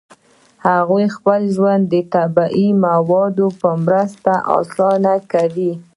هغوی خپل ژوند د طبیعي موادو په مرسته اسانه کاوه.